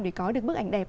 để có được bức ảnh đẹp